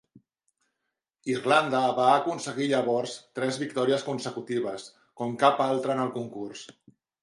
Irlanda va aconseguir llavors tres victòries consecutives com cap altre en el concurs.